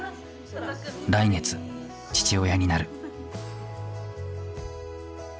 来月父親になる。